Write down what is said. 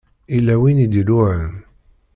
Yella win i d-iluɛan.